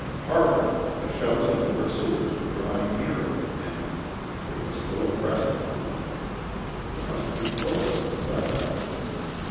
Hark! the shouts of the pursuers were drawing nearer, and they were still abreast of him! He must be close on the dugout.